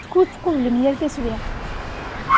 Skud tqublem yal taswiɛt.